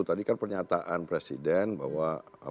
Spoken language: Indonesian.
tadi kan pernyataan presiden bahwa